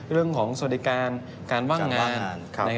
เรื่องของสวัสดีการการว่างงาน